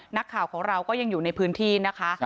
นักข่าวของเราก็ยังอยู่ในพื้นที่นะคะ